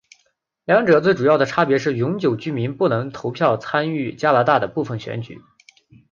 两者最主要的差别是永久居民不能投票参与加拿大的部分选举。